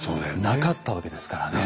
なかったわけですからね。